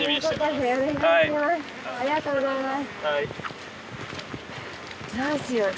ありがとうございます